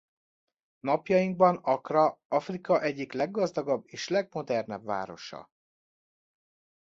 Napjainkban Accra Afrika egyik leggazdagabb és legmodernebb városa.